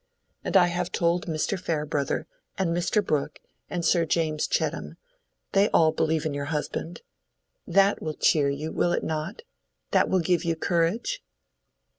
And I have told Mr. Farebrother, and Mr. Brooke, and Sir James Chettam: they all believe in your husband. That will cheer you, will it not? That will give you courage?"